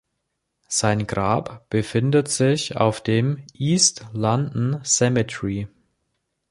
Sein Grab befindet sich auf dem East London Cemetery.